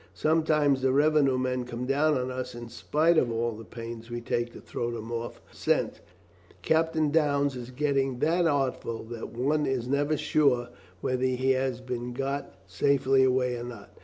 Sometimes the revenue men come down upon us in spite of all the pains we take to throw them off the scent. Captain Downes is getting that artful that one is never sure whether he has been got safely away or not.